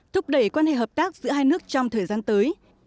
thúc đẩy quan hệ hợp tác giữa hai nước trong thời gian tới